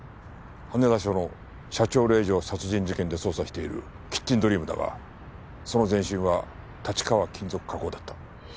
羽田署の社長令嬢殺人事件で捜査しているキッチンドリームだがその前身は立川金属加工だった。